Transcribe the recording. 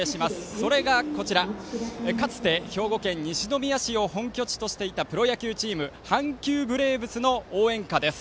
それが、こちらかつて兵庫県西宮市を本拠地としていたプロ野球チーム阪急ブレーブスの応援歌です。